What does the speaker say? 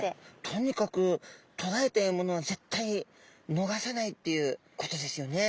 とにかくとらえた獲物は絶対逃さないっていうことですよね。